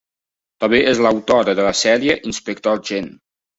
També és l'autora de la sèrie "Inspector Chen".